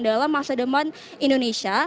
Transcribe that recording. dalam masa deman indonesia